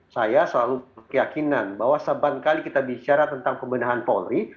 saya selalu keyakinan bahwa seban kali kita bicara tentang pembendahan polri